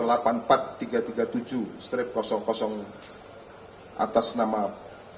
dengan nomor yang tersebut